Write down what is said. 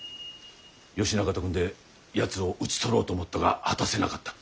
義仲と組んでやつを討ち取ろうと思ったが果たせなかった。